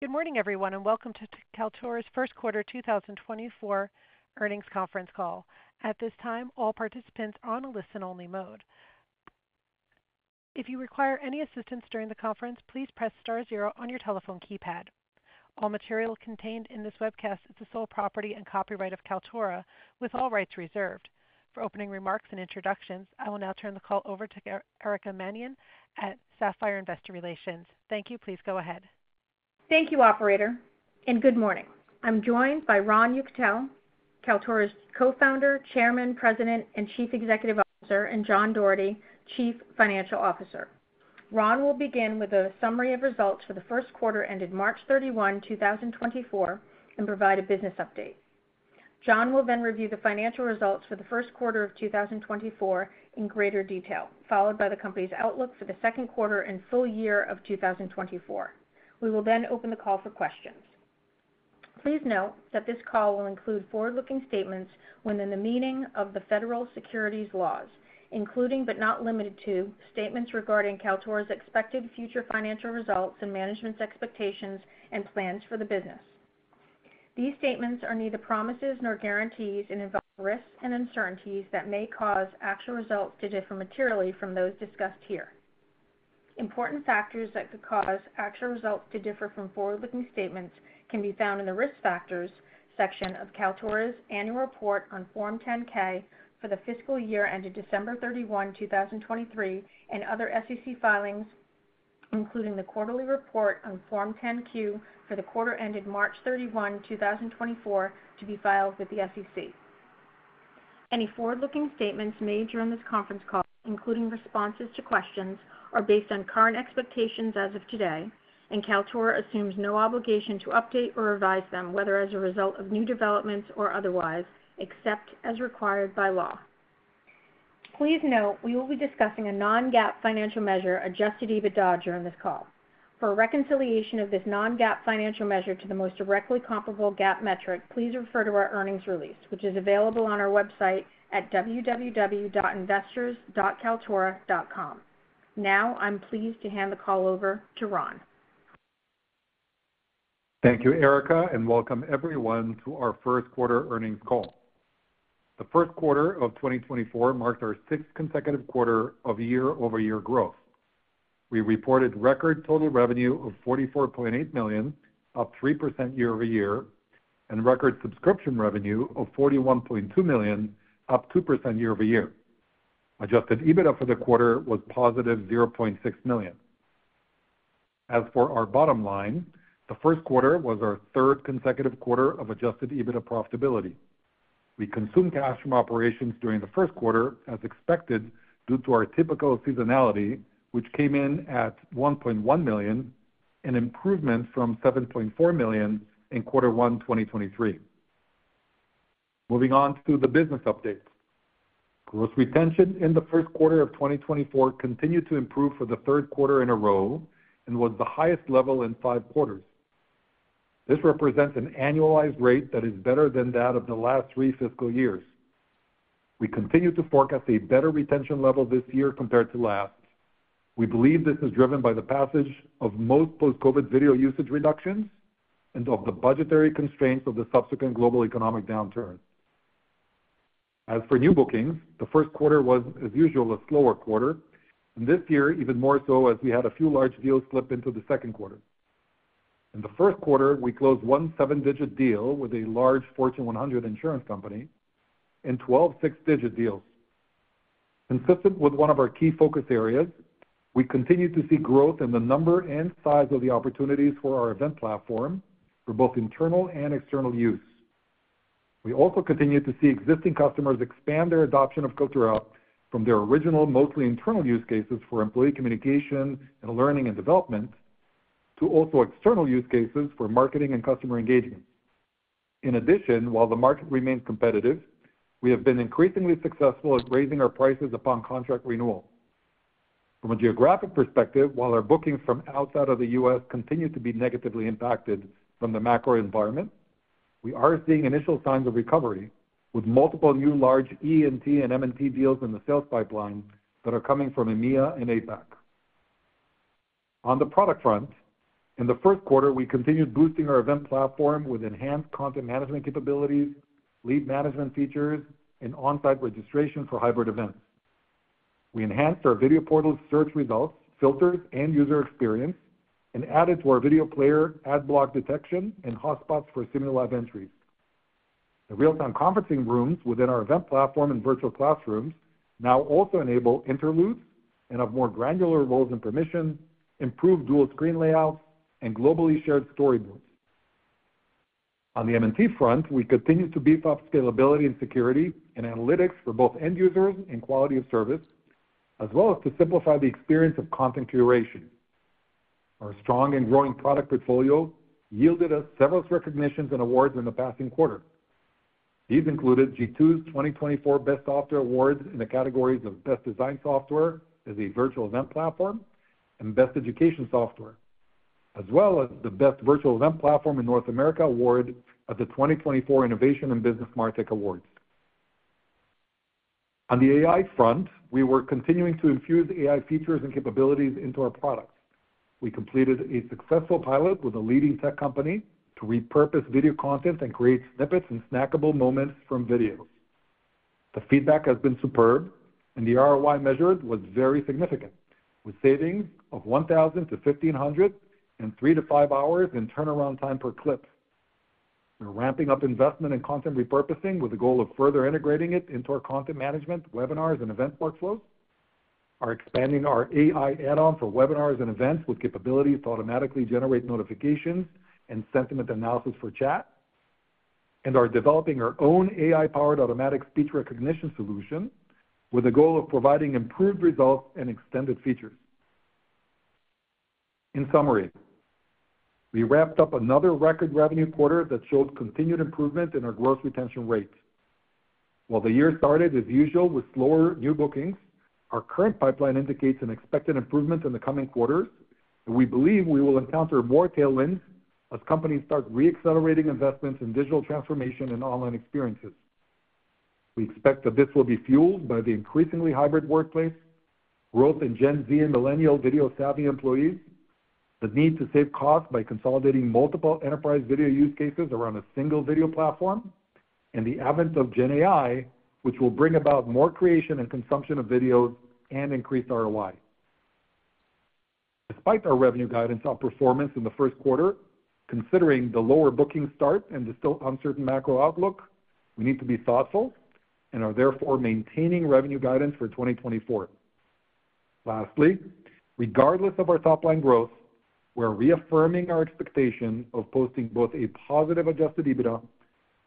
Good morning, everyone, and welcome to Kaltura's first quarter 2024 earnings conference call. At this time, all participants are on a listen-only mode. If you require any assistance during the conference, please press star zero on your telephone keypad. All material contained in this webcast is the sole property and copyright of Kaltura, with all rights reserved. For opening remarks and introductions, I will now turn the call over to Erica Mannion at Sapphire Investor Relations. Thank you. Please go ahead. Thank you, operator, and good morning. I'm joined by Ron Yekutiel, Kaltura's Co-founder, Chairman, President, and Chief Executive Officer, and John Doherty, Chief Financial Officer. Ron will begin with a summary of results for the first quarter ended March 31, 2024, and provide a business update. John will then review the financial results for the first quarter of 2024 in greater detail, followed by the company's outlook for the second quarter and full year of 2024. We will then open the call for questions. Please note that this call will include forward-looking statements within the meaning of the federal securities laws, including but not limited to statements regarding Kaltura's expected future financial results and management's expectations and plans for the business. These statements are neither promises nor guarantees and involve risks and uncertainties that may cause actual results to differ materially from those discussed here. Important factors that could cause actual results to differ from forward-looking statements can be found in the risk factors section of Kaltura's annual report on Form 10-K for the fiscal year ended December 31, 2023, and other SEC filings, including the quarterly report on Form 10-Q for the quarter ended March 31, 2024, to be filed with the SEC. Any forward-looking statements made during this conference call, including responses to questions, are based on current expectations as of today, and Kaltura assumes no obligation to update or revise them, whether as a result of new developments or otherwise, except as required by law. Please note we will be discussing a non-GAAP financial measure Adjusted EBITDA during this call. For a reconciliation of this non-GAAP financial measure to the most directly comparable GAAP metric, please refer to our earnings release, which is available on our website at www.investors.kaltura.com. Now I'm pleased to hand the call over to Ron. Thank you, Erica, and welcome everyone to our first quarter earnings call. The first quarter of 2024 marked our sixth consecutive quarter of year-over-year growth. We reported record total revenue of $44.8 million, up 3% year-over-year, and record subscription revenue of $41.2 million, up 2% year-over-year. Adjusted EBITDA for the quarter was positive $0.6 million. As for our bottom line, the first quarter was our third consecutive quarter of adjusted EBITDA profitability. We consumed cash from operations during the first quarter as expected due to our typical seasonality, which came in at $1.1 million, an improvement from $7.4 million in quarter one 2023. Moving on to the business updates. Gross retention in the first quarter of 2024 continued to improve for the third quarter in a row and was the highest level in five quarters. This represents an annualized rate that is better than that of the last three fiscal years. We continue to forecast a better retention level this year compared to last. We believe this is driven by the passage of most post-COVID video usage reductions and of the budgetary constraints of the subsequent global economic downturn. As for new bookings, the first quarter was, as usual, a slower quarter, and this year even more so as we had a few large deals slip into the second quarter. In the first quarter, we closed one seven-digit deal with a large Fortune 100 insurance company and 12 six-digit deals. Consistent with one of our key focus areas, we continue to see growth in the number and size of the opportunities for our Event Platform for both internal and external use. We also continue to see existing customers expand their adoption of Kaltura from their original, mostly internal use cases for employee communication and learning and development to also external use cases for marketing and customer engagement. In addition, while the market remains competitive, we have been increasingly successful at raising our prices upon contract renewal. From a geographic perspective, while our bookings from outside of the U.S. continue to be negatively impacted from the macro environment, we are seeing initial signs of recovery with multiple new large E&T and M&T deals in the sales pipeline that are coming from EMEA and APAC. On the product front, in the first quarter, we continued boosting our Event Platform with enhanced content management capabilities, lead management features, and onsite registration for hybrid events. We enhanced our Video Portal's search results, filters, and user experience, and added to our video player ad block detection and hotspots for simulive entries. The real-time conferencing rooms within our Event Platform and virtual classrooms now also enable interludes and have more granular roles and permissions, improved dual-screen layouts, and globally shared storyboards. On the M&T front, we continue to beef up scalability and security and analytics for both end users and quality of service, as well as to simplify the experience of content curation. Our strong and growing product portfolio yielded us several recognitions and awards in the passing quarter. These included G2's 2024 Best Software Awards in the categories of Best Design Software as a Virtual Event Platform and Best Education Software, as well as the Best Virtual Event Platform in North America Award at the 2024 Innovation and Business MarTech Awards. On the AI front, we were continuing to infuse AI features and capabilities into our products. We completed a successful pilot with a leading tech company to repurpose video content and create snippets and snackable moments from videos. The feedback has been superb, and the ROI measured was very significant, with savings of $1,000-$1,500 and 3-5 hours in turnaround time per clip. We're ramping up investment in content repurposing with the goal of further integrating it into our content management, webinars, and event workflows. We're expanding our AI add-on for webinars and events with capabilities to automatically generate notifications and sentiment analysis for chat, and we're developing our own AI-powered automatic speech recognition solution with the goal of providing improved results and extended features. In summary, we wrapped up another record revenue quarter that showed continued improvement in our gross retention rate. While the year started, as usual, with slower new bookings, our current pipeline indicates an expected improvement in the coming quarters, and we believe we will encounter more tailwinds as companies start reaccelerating investments in digital transformation and online experiences. We expect that this will be fueled by the increasingly hybrid workplace, growth in Gen Z and millennial video-savvy employees, the need to save costs by consolidating multiple enterprise video use cases around a single video platform, and the advent of Gen AI, which will bring about more creation and consumption of videos and increase ROI. Despite our revenue guidance on performance in the first quarter, considering the lower booking start and the still uncertain macro outlook, we need to be thoughtful and are therefore maintaining revenue guidance for 2024. Lastly, regardless of our top-line growth, we're reaffirming our expectation of posting both a positive Adjusted EBITDA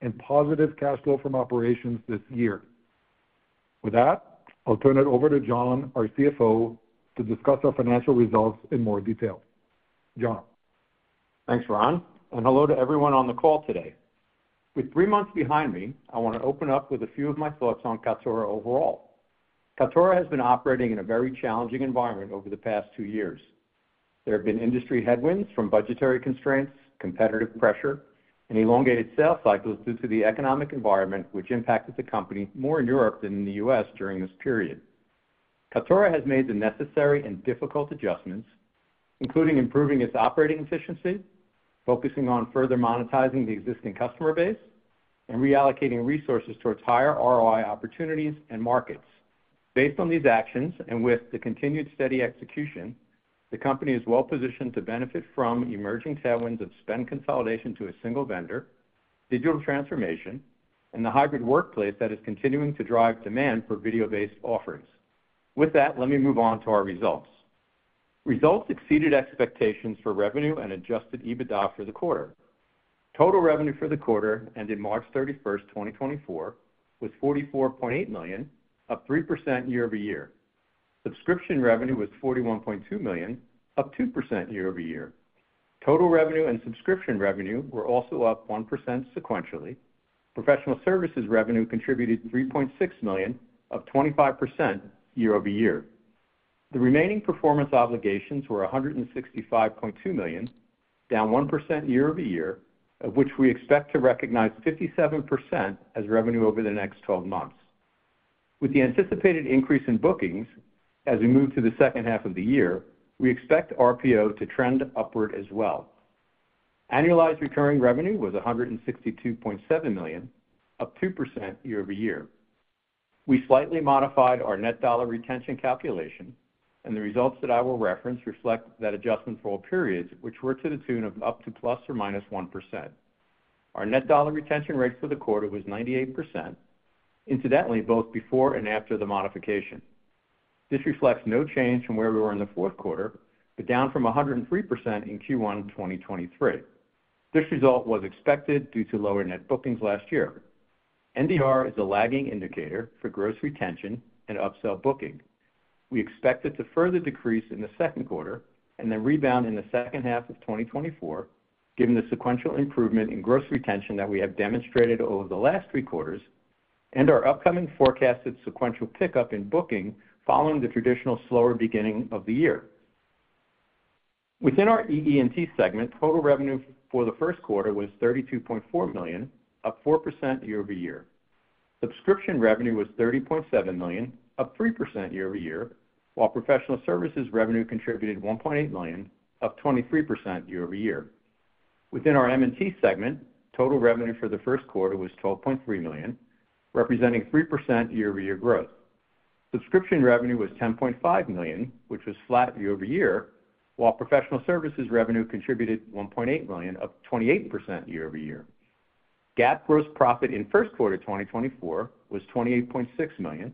and positive cash flow from operations this year. With that, I'll turn it over to John, our CFO, to discuss our financial results in more detail. John. Thanks, Ron, and hello to everyone on the call today. With three months behind me, I want to open up with a few of my thoughts on Kaltura overall. Kaltura has been operating in a very challenging environment over the past two years. There have been industry headwinds from budgetary constraints, competitive pressure, and elongated sales cycles due to the economic environment, which impacted the company more in Europe than in the U.S. during this period. Kaltura has made the necessary and difficult adjustments, including improving its operating efficiency, focusing on further monetizing the existing customer base, and reallocating resources towards higher ROI opportunities and markets. Based on these actions and with the continued steady execution, the company is well-positioned to benefit from emerging tailwinds of spend consolidation to a single vendor, digital transformation, and the hybrid workplace that is continuing to drive demand for video-based offerings. With that, let me move on to our results. Results exceeded expectations for revenue and Adjusted EBITDA for the quarter. Total revenue for the quarter ended March 31, 2024, was $44.8 million, up 3% year-over-year. Subscription revenue was $41.2 million, up 2% year-over-year. Total revenue and subscription revenue were also up 1% sequentially. Professional services revenue contributed $3.6 million, up 25% year-over-year. The remaining performance obligations were $165.2 million, down 1% year-over-year, of which we expect to recognize 57% as revenue over the next 12 months. With the anticipated increase in bookings as we move to the second half of the year, we expect RPO to trend upward as well. Annualized recurring revenue was $162.7 million, up 2% year-over-year. We slightly modified our net dollar retention calculation, and the results that I will reference reflect that adjustment for all periods, which were to the tune of up to ±1%. Our net dollar retention rate for the quarter was 98%, incidentally both before and after the modification. This reflects no change from where we were in the fourth quarter, but down from 103% in Q1 2023. This result was expected due to lower net bookings last year. NDR is a lagging indicator for gross retention and upsell booking. We expect it to further decrease in the second quarter and then rebound in the second half of 2024, given the sequential improvement in gross retention that we have demonstrated over the last three quarters and our upcoming forecasted sequential pickup in booking following the traditional slower beginning of the year. Within our E&T segment, total revenue for the first quarter was $32.4 million, up 4% year-over-year. Subscription revenue was $30.7 million, up 3% year-over-year, while professional services revenue contributed $1.8 million, up 23% year-over-year. Within our M&T segment, total revenue for the first quarter was $12.3 million, representing 3% year-over-year growth. Subscription revenue was $10.5 million, which was flat year-over-year, while professional services revenue contributed $1.8 million, up 28% year-over-year. GAAP gross profit in first quarter 2024 was $28.6 million,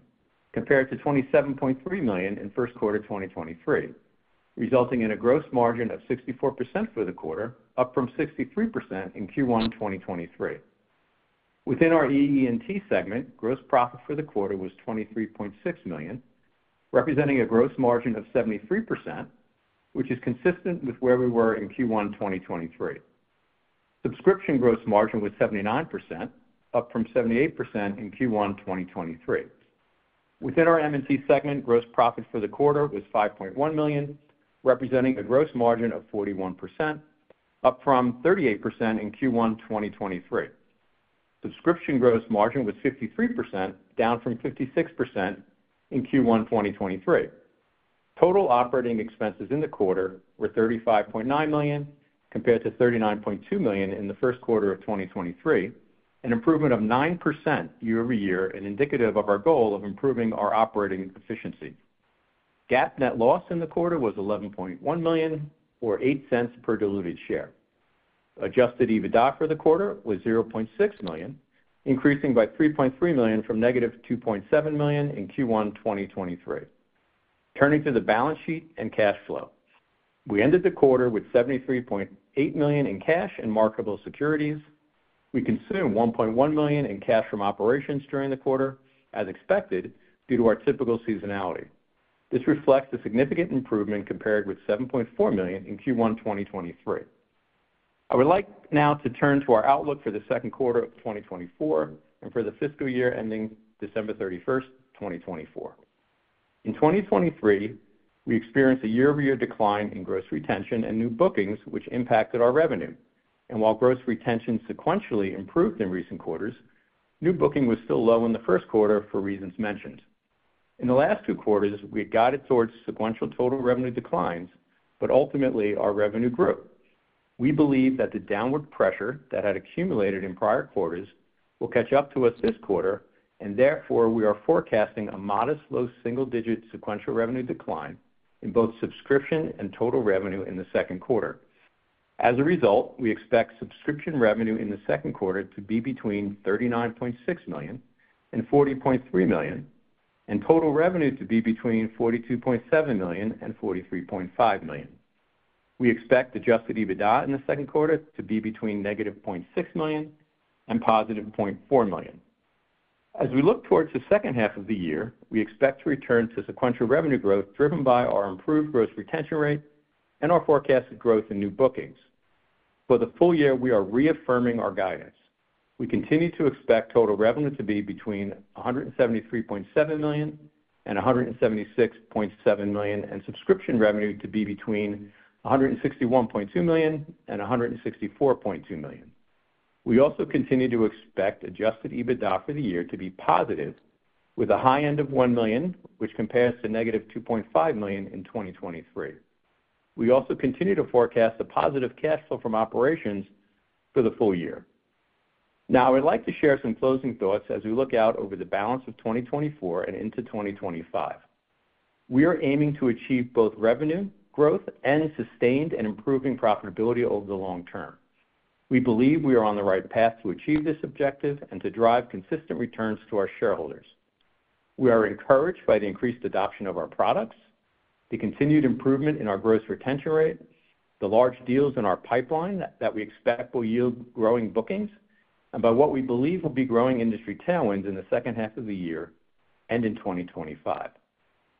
compared to $27.3 million in first quarter 2023, resulting in a gross margin of 64% for the quarter, up from 63% in Q1 2023. Within our E&T segment, gross profit for the quarter was $23.6 million, representing a gross margin of 73%, which is consistent with where we were in Q1 2023. Subscription gross margin was 79%, up from 78% in Q1 2023. Within our M&T segment, gross profit for the quarter was $5.1 million, representing a gross margin of 41%, up from 38% in Q1 2023. Subscription gross margin was 53%, down from 56% in Q1 2023. Total operating expenses in the quarter were $35.9 million, compared to $39.2 million in the first quarter of 2023, an improvement of 9% year-over-year and indicative of our goal of improving our operating efficiency. GAAP net loss in the quarter was $11.1 million, or $0.08 per diluted share. Adjusted EBITDA for the quarter was $0.6 million, increasing by $3.3 million from negative $2.7 million in Q1 2023. Turning to the balance sheet and cash flow. We ended the quarter with $73.8 million in cash and marketable securities. We consumed $1.1 million in cash from operations during the quarter, as expected, due to our typical seasonality. This reflects a significant improvement compared with $7.4 million in Q1 2023. I would like now to turn to our outlook for the second quarter of 2024 and for the fiscal year ending December 31, 2024. In 2023, we experienced a year-over-year decline in gross retention and new bookings, which impacted our revenue. While gross retention sequentially improved in recent quarters, new booking was still low in the first quarter for reasons mentioned. In the last two quarters, we had guided towards sequential total revenue declines, but ultimately our revenue grew. We believe that the downward pressure that had accumulated in prior quarters will catch up to us this quarter, and therefore we are forecasting a modest low single-digit sequential revenue decline in both subscription and total revenue in the second quarter. As a result, we expect subscription revenue in the second quarter to be between $39.6 million and $40.3 million, and total revenue to be between $42.7 million and $43.5 million. We expect Adjusted EBITDA in the second quarter to be between -$0.6 million and $0.4 million. As we look towards the second half of the year, we expect to return to sequential revenue growth driven by our improved gross retention rate and our forecasted growth in new bookings. For the full year, we are reaffirming our guidance. We continue to expect total revenue to be between $173.7 million and $176.7 million, and subscription revenue to be between $161.2 million and $164.2 million. We also continue to expect Adjusted EBITDA for the year to be positive, with a high end of $1 million, which compares to -$2.5 million in 2023. We also continue to forecast a positive cash flow from operations for the full year. Now, I would like to share some closing thoughts as we look out over the balance of 2024 and into 2025. We are aiming to achieve both revenue growth and sustained and improving profitability over the long term. We believe we are on the right path to achieve this objective and to drive consistent returns to our shareholders. We are encouraged by the increased adoption of our products, the continued improvement in our gross retention rate, the large deals in our pipeline that we expect will yield growing bookings, and by what we believe will be growing industry tailwinds in the second half of the year and in 2025.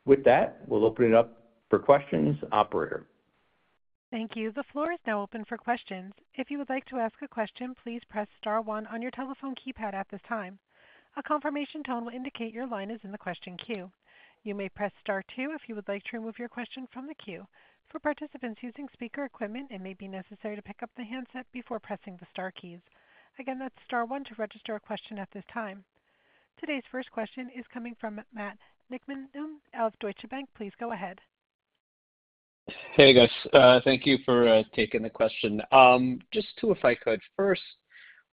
With that, we'll open it up for questions, operator. Thank you. The floor is now open for questions. If you would like to ask a question, please press star one on your telephone keypad at this time. A confirmation tone will indicate your line is in the question queue. You may press star two if you would like to remove your question from the queue. For participants using speaker equipment, it may be necessary to pick up the handset before pressing the star keys. Again, that's star one to register a question at this time. Today's first question is coming from Matt Niknam of Deutsche Bank. Please go ahead. Hey, guys. Thank you for taking the question. Just two, if I could. First,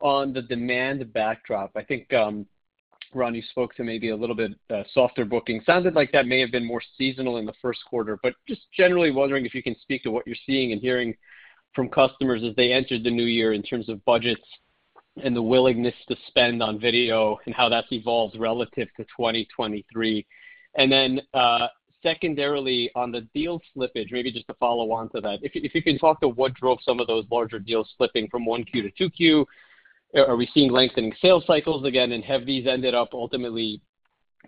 on the demand backdrop, I think, Ron, you spoke to maybe a little bit softer booking. Sounded like that may have been more seasonal in the first quarter, but just generally wondering if you can speak to what you're seeing and hearing from customers as they entered the new year in terms of budgets and the willingness to spend on video and how that's evolved relative to 2023. And then secondarily, on the deal slippage, maybe just to follow on to that, if you can talk to what drove some of those larger deals slipping from Q1 to Q2. Are we seeing lengthening sales cycles again, and have these ended up ultimately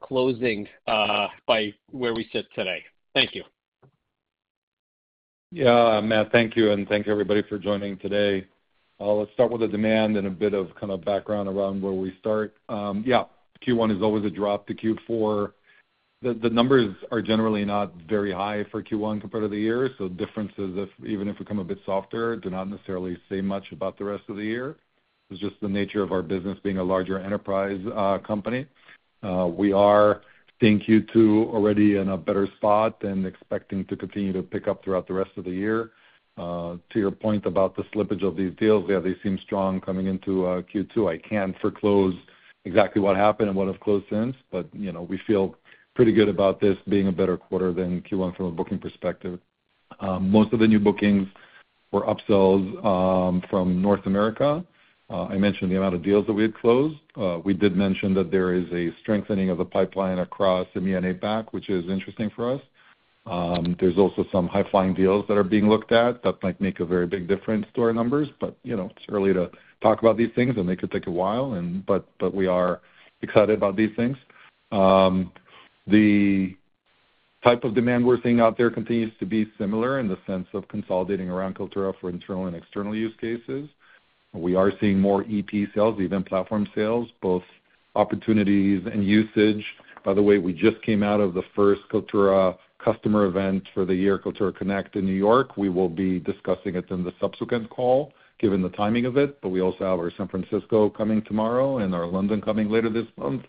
closing by where we sit today? Thank you. Yeah, Matt, thank you, and thank everybody for joining today. Let's start with the demand and a bit of kind of background around where we start. Yeah, Q1 is always a drop to Q4. The numbers are generally not very high for Q1 compared to the year, so differences, even if we come a bit softer, do not necessarily say much about the rest of the year. It's just the nature of our business being a larger enterprise company. We are, thank you too, already in a better spot and expecting to continue to pick up throughout the rest of the year. To your point about the slippage of these deals, yeah, they seem strong coming into Q2. I can't forecast exactly what happened and what have closed since, but we feel pretty good about this being a better quarter than Q1 from a booking perspective. Most of the new bookings were upsells from North America. I mentioned the amount of deals that we had closed. We did mention that there is a strengthening of the pipeline across EMEA and APAC, which is interesting for us. There's also some high-flying deals that are being looked at that make a very big difference to our numbers, but it's early to talk about these things, and they could take a while, but we are excited about these things. The type of demand we're seeing out there continues to be similar in the sense of consolidating around Kaltura for internal and external use cases. We are seeing more Event Platform sales, both opportunities and usage. By the way, we just came out of the first Kaltura customer event for the year, Kaltura Connect, in New York. We will be discussing it in the subsequent call given the timing of it, but we also have our San Francisco coming tomorrow and our London coming later this month. And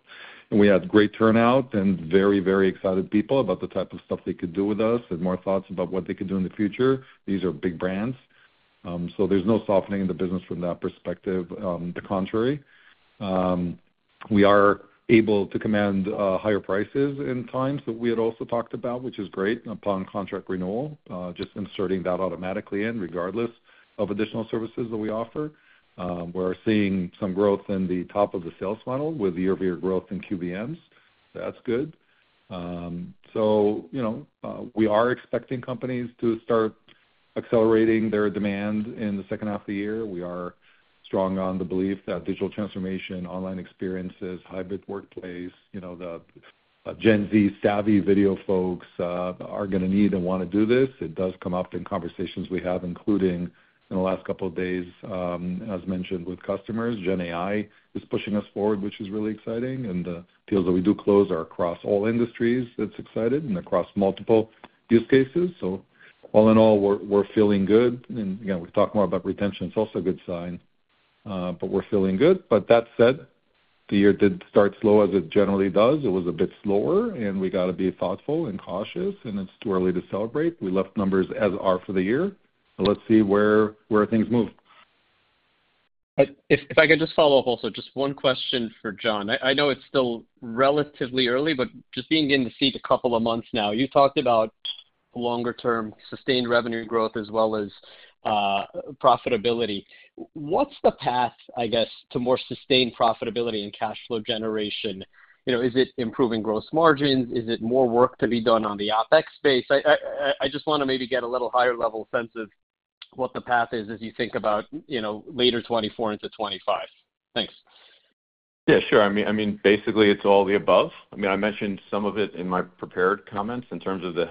we had great turnout and very, very excited people about the type of stuff they could do with us and more thoughts about what they could do in the future. These are big brands, so there's no softening in the business from that perspective. On the contrary, we are able to command higher prices in times that we had also talked about, which is great, upon contract renewal, just inserting that automatically in, regardless of additional services that we offer. We're seeing some growth in the top of the sales funnel with year-over-year growth in QBMs. That's good. So we are expecting companies to start accelerating their demand in the second half of the year. We are strong on the belief that digital transformation, online experiences, hybrid workplace, the Gen Z savvy video folks are going to need and want to do this. It does come up in conversations we have, including in the last couple of days, as mentioned, with customers. Gen AI is pushing us forward, which is really exciting, and the deals that we do close are across all industries that's excited and across multiple use cases. So all in all, we're feeling good. And again, we talk more about retention. It's also a good sign, but we're feeling good. But that said, the year did start slow as it generally does. It was a bit slower, and we got to be thoughtful and cautious, and it's too early to celebrate. We left numbers as are for the year, but let's see where things move. If I could just follow up also, just one question for John. I know it's still relatively early, but just being in the seat a couple of months now, you talked about longer-term sustained revenue growth as well as profitability. What's the path, I guess, to more sustained profitability and cash flow generation? Is it improving gross margins? Is it more work to be done on the OpEx space? I just want to maybe get a little higher-level sense of what the path is as you think about later 2024 into 2025. Thanks. Yeah, sure. I mean, basically, it's all the above. I mean, I mentioned some of it in my prepared comments in terms of the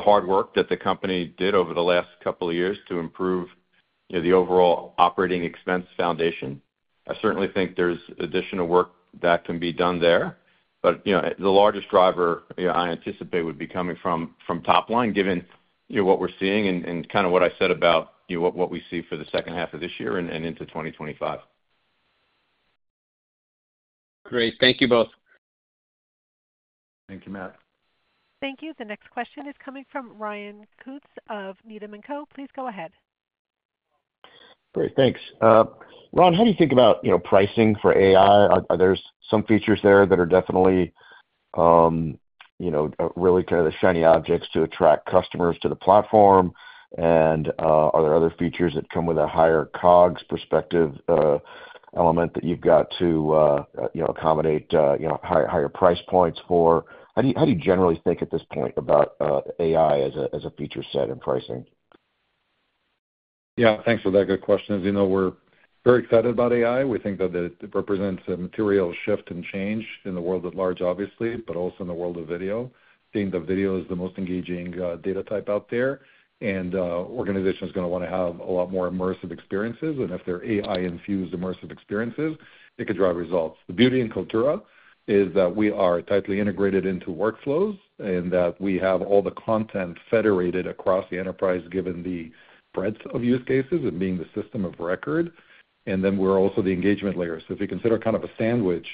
hard work that the company did over the last couple of years to improve the overall operating expense foundation. I certainly think there's additional work that can be done there, but the largest driver I anticipate would be coming from top line, given what we're seeing and kind of what I said about what we see for the second half of this year and into 2025. Great. Thank you both. Thank you, Matt. Thank you. The next question is coming from Ryan Koontz of Needham & Co. Please go ahead. Great. Thanks. Ron, how do you think about pricing for AI? Are there some features there that are definitely really kind of the shiny objects to attract customers to the platform? And are there other features that come with a higher COGS perspective element that you've got to accommodate higher price points for? How do you generally think at this point about AI as a feature set in pricing? Yeah, thanks for that good question. As you know, we're very excited about AI. We think that it represents a material shift and change in the world at large, obviously, but also in the world of video, seeing that video is the most engaging data type out there, and organizations are going to want to have a lot more immersive experiences. And if they're AI-infused immersive experiences, it could drive results. The beauty in Kaltura is that we are tightly integrated into workflows and that we have all the content federated across the enterprise given the breadth of use cases and being the system of record. And then we're also the engagement layer. So if you consider kind of a sandwich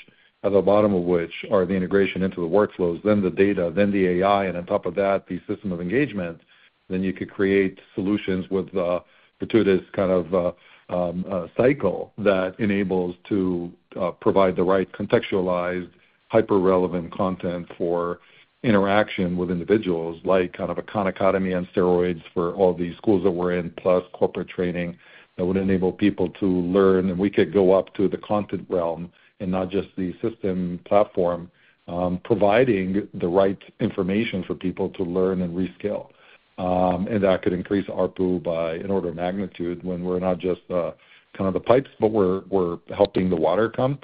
at the bottom of which are the integration into the workflows, then the data, then the AI, and on top of that, the system of engagement, then you could create solutions with the fortuitous kind of cycle that enables to provide the right contextualized, hyper-relevant content for interaction with individuals like kind of a Khan Academy on steroids for all these schools that we're in, plus corporate training that would enable people to learn. And we could go up to the content realm and not just the system platform, providing the right information for people to learn and rescale. And that could increase ARPU by an order of magnitude when we're not just kind of the pipes, but we're helping the water come.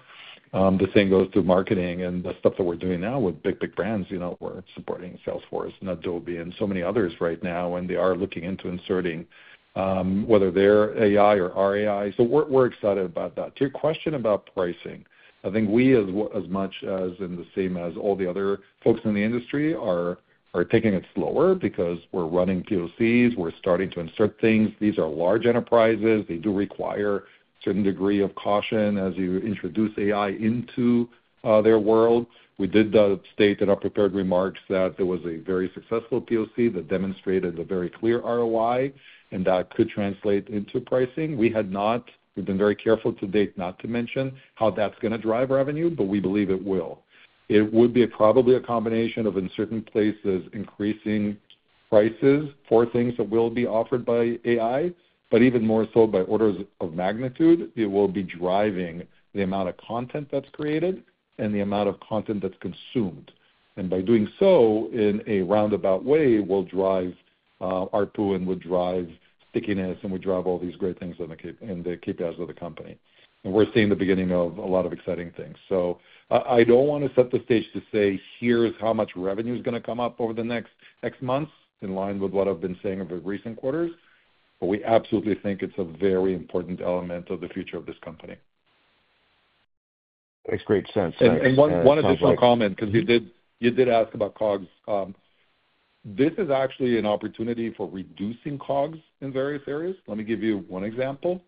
The same goes to marketing and the stuff that we're doing now with big, big brands. We're supporting Salesforce and Adobe and so many others right now, and they are looking into inserting whether they're AI or RAI. So we're excited about that. To your question about pricing, I think we, as much as in the same as all the other folks in the industry, are taking it slower because we're running POCs. We're starting to insert things. These are large enterprises. They do require a certain degree of caution as you introduce AI into their world. We did state in our prepared remarks that there was a very successful POC that demonstrated a very clear ROI, and that could translate into pricing. We've been very careful to date, not to mention how that's going to drive revenue, but we believe it will. It would be probably a combination of in certain places increasing prices for things that will be offered by AI, but even more so by orders of magnitude. It will be driving the amount of content that's created and the amount of content that's consumed. And by doing so in a roundabout way, we'll drive ARPU and would drive stickiness, and we'd drive all these great things in the KPIs of the company. And we're seeing the beginning of a lot of exciting things. So I don't want to set the stage to say, "Here's how much revenue is going to come up over the next X months," in line with what I've been saying over recent quarters, but we absolutely think it's a very important element of the future of this company. Makes great sense. Thanks. One additional comment because you did ask about COGS. This is actually an opportunity for reducing COGS in various areas. Let me give you one example.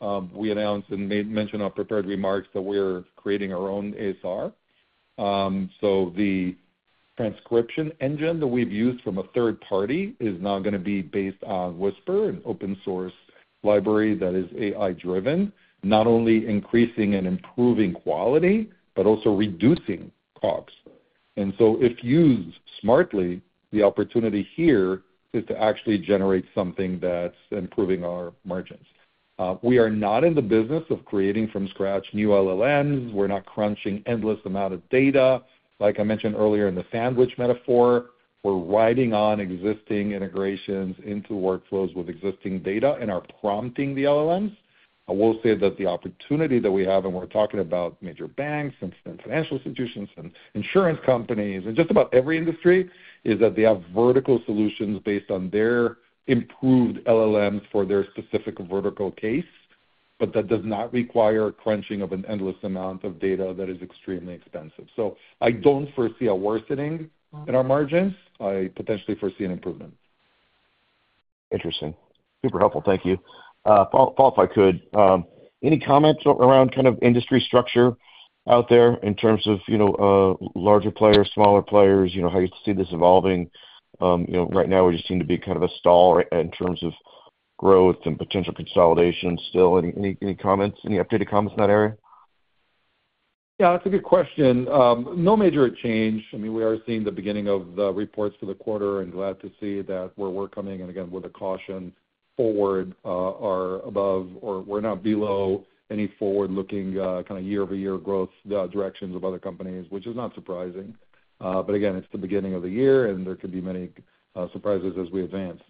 We announced and mentioned in our prepared remarks that we're creating our own ASR. So the transcription engine that we've used from a third party is now going to be based on Whisper, an open-source library that is AI-driven, not only increasing and improving quality, but also reducing COGS. And so if used smartly, the opportunity here is to actually generate something that's improving our margins. We are not in the business of creating from scratch new LLMs. We're not crunching endless amounts of data. Like I mentioned earlier in the sandwich metaphor, we're riding on existing integrations into workflows with existing data and are prompting the LLMs. I will say that the opportunity that we have, and we're talking about major banks and financial institutions and insurance companies and just about every industry, is that they have vertical solutions based on their improved LLMs for their specific vertical case, but that does not require crunching of an endless amount of data that is extremely expensive. So I don't foresee a worsening in our margins. I potentially foresee an improvement. Interesting. Super helpful. Thank you, if I could, any comments around kind of industry structure out there in terms of larger players, smaller players, how you see this evolving? Right now, we just seem to be kind of a stall in terms of growth and potential consolidation still. Any comments, any updated comments in that area? Yeah, that's a good question. No major change. I mean, we are seeing the beginning of the reports for the quarter and glad to see that we're working and, again, with a caution, forward are above or we're not below any forward-looking kind of year-over-year growth directions of other companies, which is not surprising. But again, it's the beginning of the year, and there could be many surprises as we advance.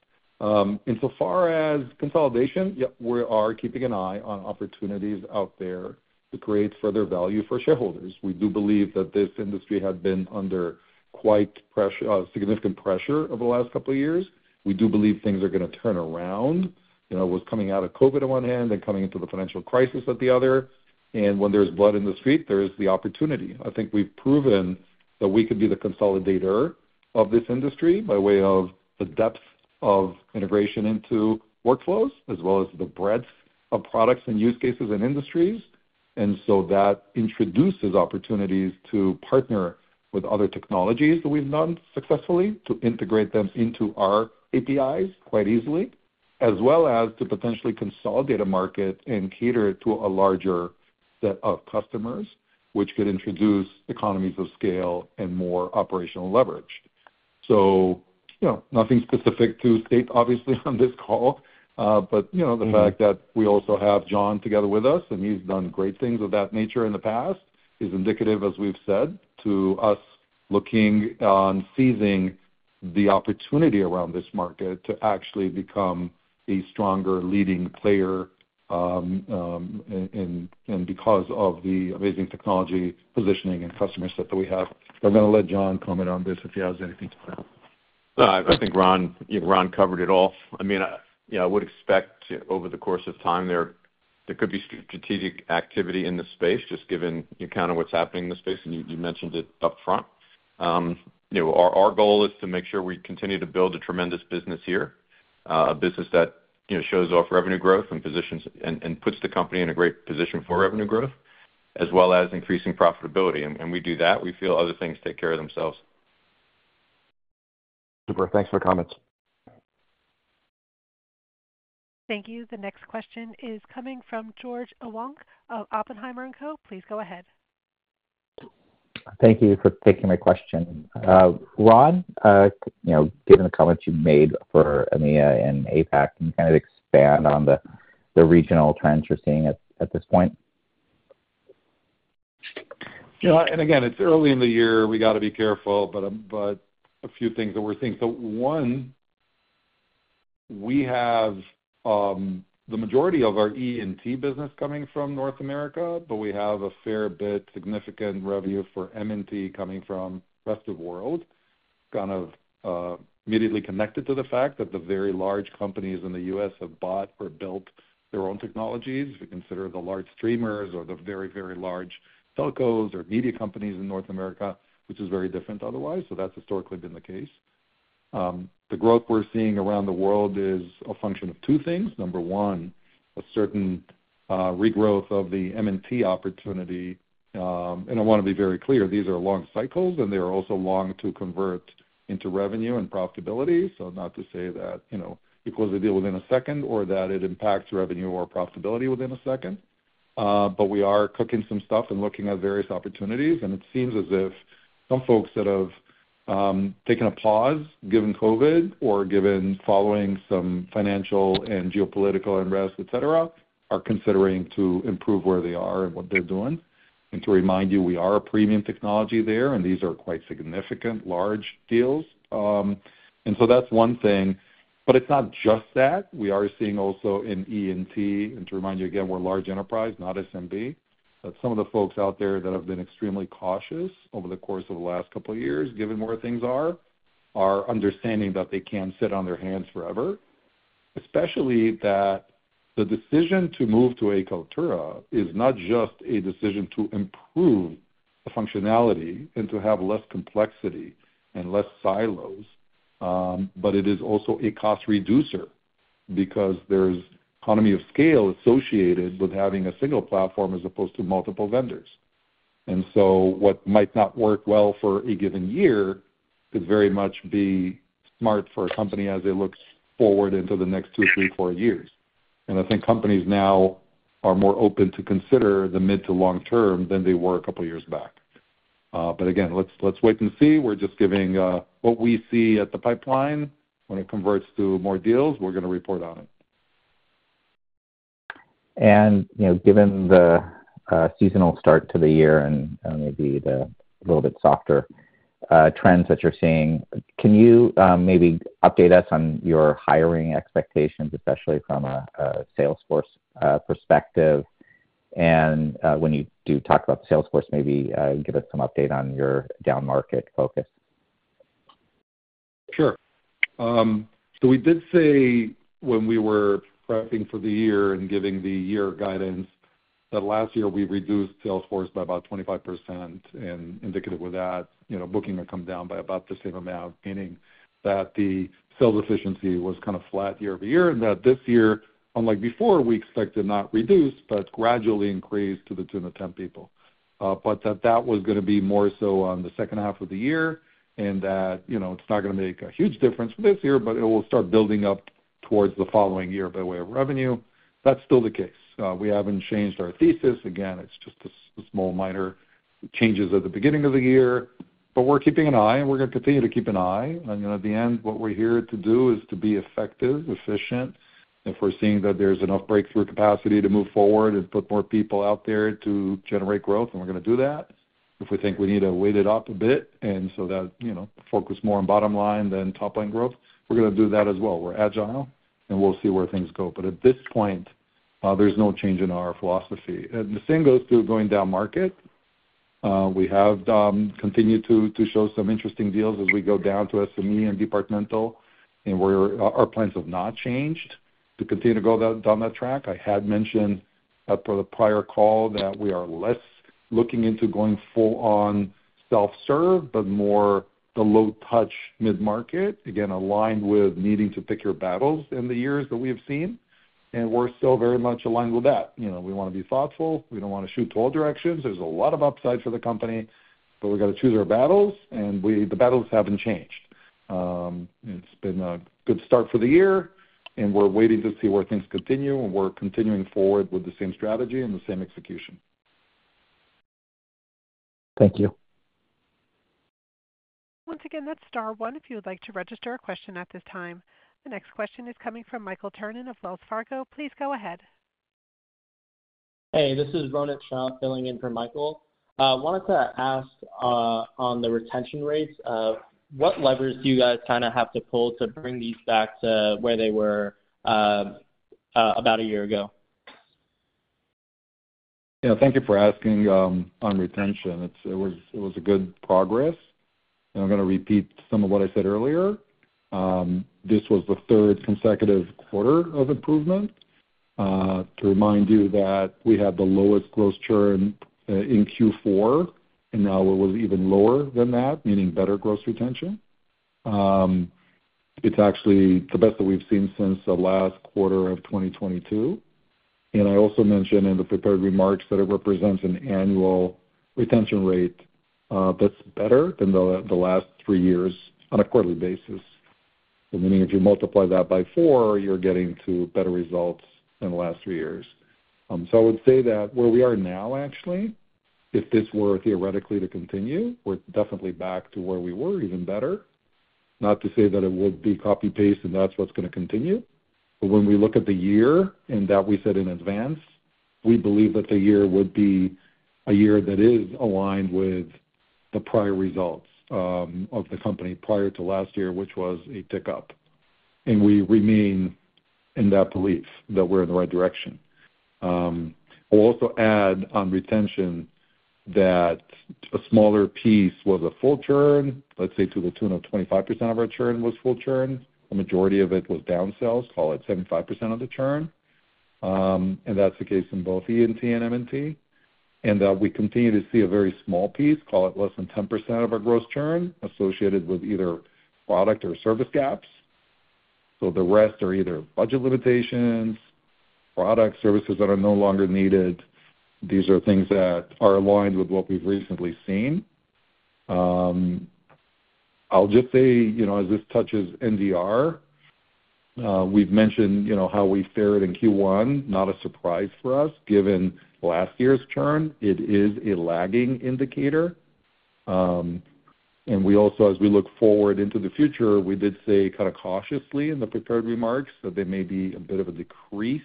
Insofar as consolidation, yep, we are keeping an eye on opportunities out there to create further value for shareholders. We do believe that this industry had been under quite significant pressure over the last couple of years. We do believe things are going to turn around. It was coming out of COVID on one hand and coming into the financial crisis at the other. And when there's blood in the street, there's the opportunity. I think we've proven that we could be the consolidator of this industry by way of the depth of integration into workflows as well as the breadth of products and use cases and industries. And so that introduces opportunities to partner with other technologies that we've done successfully to integrate them into our APIs quite easily, as well as to potentially consolidate a market and cater to a larger set of customers, which could introduce economies of scale and more operational leverage. So nothing specific to state, obviously, on this call, but the fact that we also have John together with us, and he's done great things of that nature in the past, is indicative, as we've said, to us looking on seizing the opportunity around this market to actually become a stronger leading player. Because of the amazing technology positioning and customer set that we have, I'm going to let John comment on this if he has anything to add. No, I think Ron covered it all. I mean, I would expect over the course of time, there could be strategic activity in the space, just given kind of what's happening in the space, and you mentioned it upfront. Our goal is to make sure we continue to build a tremendous business here, a business that shows off revenue growth and positions and puts the company in a great position for revenue growth, as well as increasing profitability. We do that. We feel other things take care of themselves. Super. Thanks for the comments. Thank you. The next question is coming from George Iwanyc of Oppenheimer & Co. Please go ahead. Thank you for taking my question. Ron, given the comments you made for EMEA and APAC, can you kind of expand on the regional trends you're seeing at this point? And again, it's early in the year. We got to be careful, but a few things that we're seeing. So one, we have the majority of our E&T business coming from North America, but we have a fair bit significant revenue for M&T coming from the rest of the world, kind of immediately connected to the fact that the very large companies in the U.S. have bought or built their own technologies. If you consider the large streamers or the very, very large telcos or media companies in North America, which is very different otherwise. So that's historically been the case. The growth we're seeing around the world is a function of two things. Number one, a certain regrowth of the M&T opportunity. And I want to be very clear. These are long cycles, and they are also long to convert into revenue and profitability. So not to say that it closes a deal within a second or that it impacts revenue or profitability within a second, but we are cooking some stuff and looking at various opportunities. It seems as if some folks that have taken a pause, given COVID or following some financial and geopolitical unrest, etc., are considering to improve where they are and what they're doing. To remind you, we are a premium technology there, and these are quite significant, large deals. So that's one thing. But it's not just that. We are seeing also in E&T, and to remind you again, we're a large enterprise, not SMB. But some of the folks out there that have been extremely cautious over the course of the last couple of years, given where things are, are understanding that they can't sit on their hands forever, especially that the decision to move to a Kaltura is not just a decision to improve the functionality and to have less complexity and less silos, but it is also a cost reducer because there's economy of scale associated with having a single platform as opposed to multiple vendors. And so what might not work well for a given year could very much be smart for a company as they look forward into the next two, three, four years. And I think companies now are more open to consider the mid to long term than they were a couple of years back. But again, let's wait and see. We're just giving what we see at the pipeline. When it converts to more deals, we're going to report on it. Given the seasonal start to the year and maybe a little bit softer trends that you're seeing, can you maybe update us on your hiring expectations, especially from a Salesforce perspective? When you do talk about Salesforce, maybe give us some update on your down-market focus. Sure. So we did say when we were prepping for the year and giving the year guidance that last year, we reduced Salesforce by about 25% and indicated with that booking had come down by about the same amount, meaning that the sales efficiency was kind of flat year-over-year and that this year, unlike before, we expected not reduced, but gradually increased to the tune ff 10 people. But that that was going to be more so on the second half of the year and that it's not going to make a huge difference this year, but it will start building up towards the following year by way of revenue. That's still the case. We haven't changed our thesis. Again, it's just small minor changes at the beginning of the year, but we're keeping an eye, and we're going to continue to keep an eye. At the end, what we're here to do is to be effective, efficient. If we're seeing that there's enough breakthrough capacity to move forward and put more people out there to generate growth, and we're going to do that. If we think we need to weight it up a bit and so that focus more on bottom line than top line growth, we're going to do that as well. We're agile, and we'll see where things go. But at this point, there's no change in our philosophy. And the same goes to going down market. We have continued to show some interesting deals as we go down to SME and departmental, and our plans have not changed to continue to go down that track. I had mentioned for the prior call that we are less looking into going full-on self-serve, but more the low-touch mid-market, again, aligned with needing to pick your battles in the years that we have seen. We're still very much aligned with that. We want to be thoughtful. We don't want to shoot to all directions. There's a lot of upside for the company, but we got to choose our battles, and the battles haven't changed. It's been a good start for the year, and we're waiting to see where things continue. We're continuing forward with the same strategy and the same execution. Thank you. Once again, press star one. If you would like to register a question at this time. The next question is coming from Michael Turrin of Wells Fargo. Please go ahead. Hey, this is Ronit Shah filling in for Michael Turrin. I wanted to ask on the retention rates. What levers do you guys kind of have to pull to bring these back to where they were about a year ago? Thank you for asking on retention. It was a good progress. I'm going to repeat some of what I said earlier. This was the third consecutive quarter of improvement. To remind you that we had the lowest gross churn in Q4, and now it was even lower than that, meaning better gross retention. It's actually the best that we've seen since the last quarter of 2022. I also mentioned in the prepared remarks that it represents an annual retention rate that's better than the last three years on a quarterly basis. Meaning if you multiply that by four, you're getting to better results in the last three years. I would say that where we are now, actually, if this were theoretically to continue, we're definitely back to where we were, even better. Not to say that it would be copy-paste and that's what's going to continue. But when we look at the year and that we said in advance, we believe that the year would be a year that is aligned with the prior results of the company prior to last year, which was a tick-up. We remain in that belief that we're in the right direction. I'll also add on retention that a smaller piece was a full churn. Let's say to the tune of 25% of our churn was full churn. The majority of it was downsells, call it 75% of the churn. That's the case in both E&T and M&T. We continue to see a very small piece, call it less than 10% of our gross churn associated with either product or service gaps. So the rest are either budget limitations, products, services that are no longer needed. These are things that are aligned with what we've recently seen. I'll just say, as this touches NDR, we've mentioned how we fared in Q1, not a surprise for us. Given last year's churn, it is a lagging indicator. Also, as we look forward into the future, we did say kind of cautiously in the prepared remarks that there may be a bit of a decrease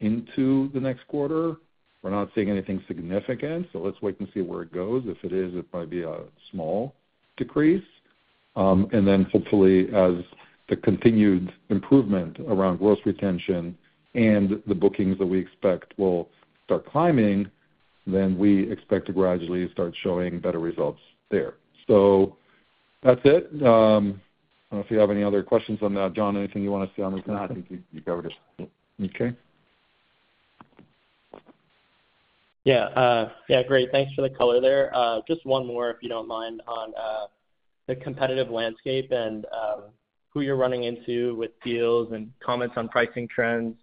in the next quarter. We're not seeing anything significant. Let's wait and see where it goes. If it is, it might be a small decrease. Then hopefully, as the continued improvement around gross retention and the bookings that we expect will start climbing, we expect to gradually start showing better results there. That's it. I don't know if you have any other questions on that. John, anything you want to say on this? No. I think you covered it. Okay. Yeah. Yeah, great. Thanks for the color there. Just one more, if you don't mind, on the competitive landscape and who you're running into with deals and comments on pricing trends,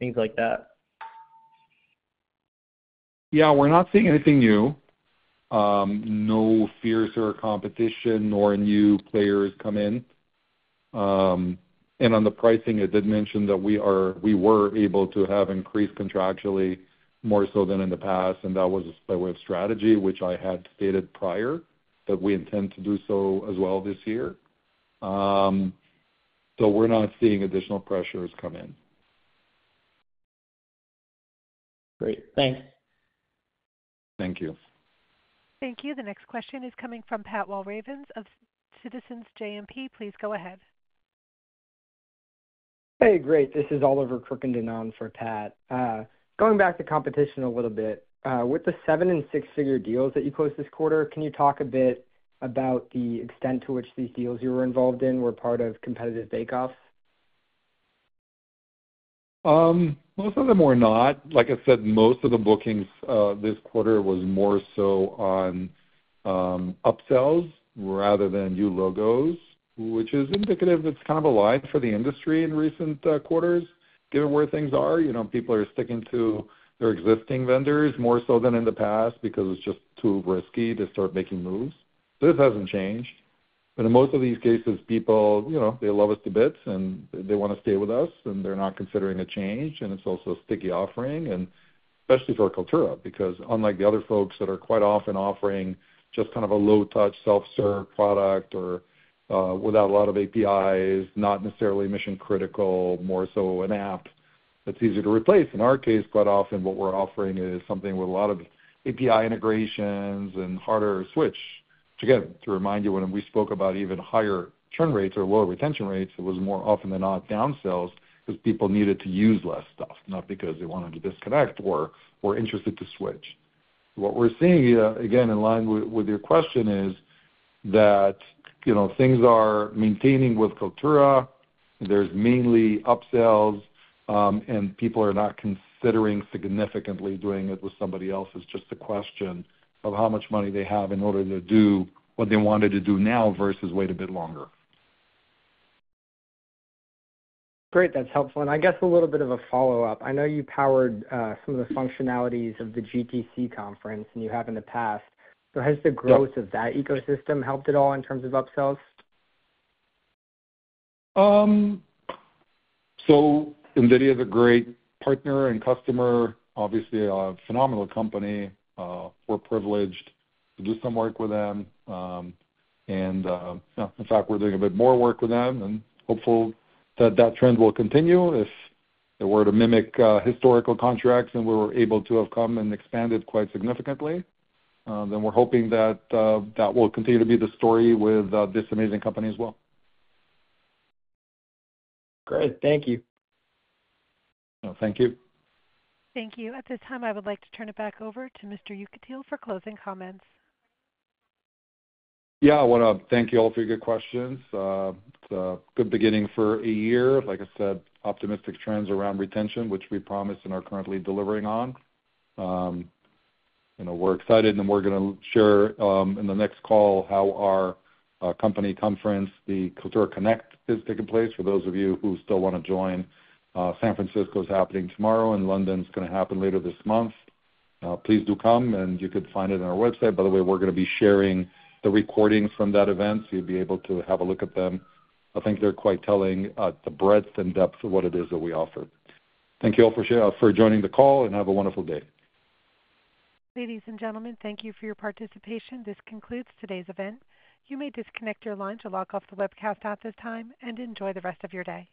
things like that. Yeah, we're not seeing anything new. No fiercer competition nor new players come in. And on the pricing, I did mention that we were able to have increased contractually more so than in the past. And that was by way of strategy, which I had stated prior that we intend to do so as well this year. So we're not seeing additional pressures come in. Great. Thanks. Thank you. Thank you. The next question is coming from Pat Walravens of Citizens JMP. Please go ahead. Hey, great. This is Oliver Crookenden for Pat. Going back to competition a little bit, with the 7- and 6-figure deals that you closed this quarter, can you talk a bit about the extent to which these deals you were involved in were part of competitive bake-offs? Most of them were not. Like I said, most of the bookings this quarter was more so on upsells rather than new logos, which is indicative it's kind of a lull for the industry in recent quarters, given where things are. People are sticking to their existing vendors more so than in the past because it's just too risky to start making moves. So this hasn't changed. But in most of these cases, people, they love us to bits, and they want to stay with us, and they're not considering a change. It's also a sticky offering, especially for Kaltura, because unlike the other folks that are quite often offering just kind of a low-touch self-serve product or without a lot of APIs, not necessarily mission-critical, more so an app that's easy to replace. In our case, quite often, what we're offering is something with a lot of API integrations and harder switch. Again, to remind you, when we spoke about even higher churn rates or lower retention rates, it was more often than not downsells because people needed to use less stuff, not because they wanted to disconnect or were interested to switch. What we're seeing, again, in line with your question, is that things are maintaining with Kaltura. There's mainly upsells, and people are not considering significantly doing it with somebody else. It's just a question of how much money they have in order to do what they wanted to do now versus wait a bit longer. Great. That's helpful. And I guess a little bit of a follow-up. I know you powered some of the functionalities of the GTC conference and you have in the past. So has the growth of that ecosystem helped at all in terms of upsells? So NVIDIA is a great partner and customer. Obviously, a phenomenal company. We're privileged to do some work with them. And in fact, we're doing a bit more work with them and hopeful that that trend will continue. If it were to mimic historical contracts and we were able to have come and expanded quite significantly, then we're hoping that that will continue to be the story with this amazing company as well. Great. Thank you. Thank you. Thank you. At this time, I would like to turn it back over to Mr. Yekutiel for closing comments. Yeah, I want to thank you all for your good questions. It's a good beginning for a year. Like I said, optimistic trends around retention, which we promise and are currently delivering on. We're excited, and we're going to share in the next call how our company conference, the Kaltura Connect, is taking place. For those of you who still want to join, San Francisco is happening tomorrow, and London's going to happen later this month. Please do come, and you could find it on our website. By the way, we're going to be sharing the recordings from that event. So you'll be able to have a look at them. I think they're quite telling, the breadth and depth of what it is that we offer. Thank you all for joining the call, and have a wonderful day. Ladies and gentlemen, thank you for your participation. This concludes today's event. You may disconnect your line to log off the webcast at this time and enjoy the rest of your day.